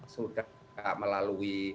sudah enggak melalui